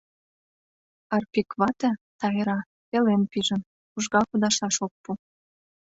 Арпик вате Тайра пелен пижын, ужга кудашаш ок пу.